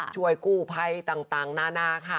ช่วยกู้ไพ่ต่างหน้าค่ะ